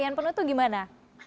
yann penuh tuh gimana